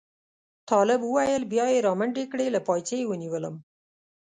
طالب وویل بیا یې را منډې کړې له پایڅې یې ونیولم.